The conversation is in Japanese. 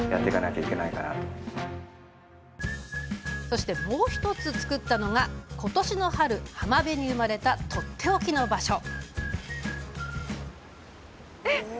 そして、もう１つ造ったのが今年の春浜辺に生まれたとっておきの場所。